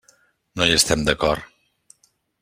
No hi estem d'acord.